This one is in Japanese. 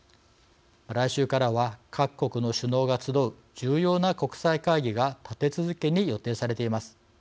来週からは各国の首脳が集う重要な国際会議が立て続けに予定されています。